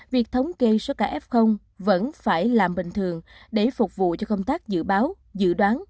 việc thống kê số cả f vẫn phải làm bình thường để phục vụ cho công tác dự báo dự đoán